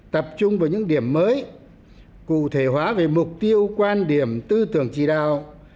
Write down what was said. tập trung vào những điểm mới cụ thể hóa về mục tiêu quan điểm tư tưởng chỉ đạo